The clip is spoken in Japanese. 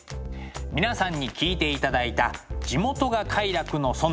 皆さんに聴いていただいた「地元が快楽の園」。